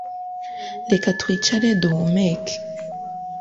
Reka twicare duhumeke